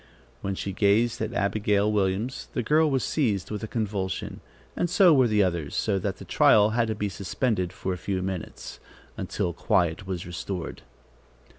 When she gazed at Abigail Williams, the girl was seized with a convulsion, and so were the others, so that the trial had to be suspended for a few minutes, until quiet was restored.